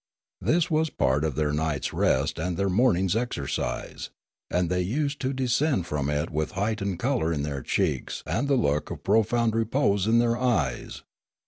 This was part of their night's rest and their morning's exercise; and they used to descend from it with heightened colour in their cheeks and the look of profound repose in their eyes.